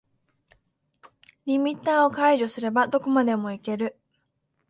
リミッターを解除すればどこまでもいける